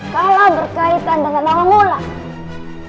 kalau berkaitan dengan orang ulam